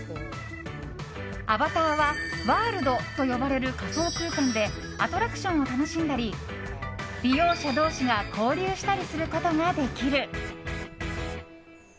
アバターはワールドと呼ばれる仮想空間でアトラクションを楽しんだり利用者同士が交流したりすることができる。